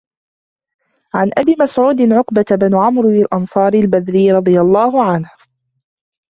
عَنْ أَبِي مَسْعُودٍ عُقبةَ بنِ عَمْرٍو الأنصاريِّ الْبَدْريِّ رَضِي اللهُ عَنْهُ